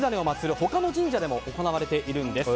他の神社でも行われているんです。